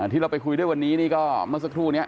ที่เราไปคุยวันนี้ก็ไม่ซักครู่เนี่ย